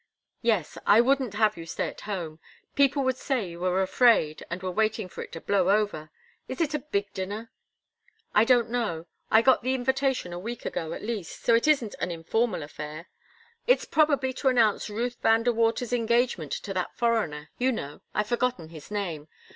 "Yes. I wouldn't have you stay at home. People would say you were afraid and were waiting for it to blow over. Is it a big dinner?" "I don't know. I got the invitation a week ago, at least, so it isn't an informal affair. It's probably to announce Ruth Van De Water's engagement to that foreigner you know I've forgotten his name.